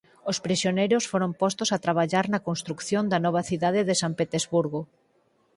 Os prisioneiros foron postos a traballar na construción da nova cidade de San Petersburgo.